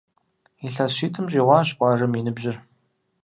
Илъэс щитӏым щӏигъуащ къуажэм и ныбжьыр.